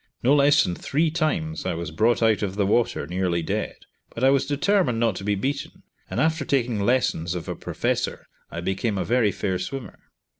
No less than three times I was brought out of the water nearly dead; but I was determined not to be beaten, and after taking lessons of a professor I became a very fair swimmer.